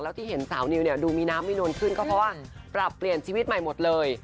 แล้วที่เห็นสาวนิวเนี่ยดูมีน้ำมีนวลขึ้นก็เพราะว่าปรับเปลี่ยนชีวิตใหม่หมดเลย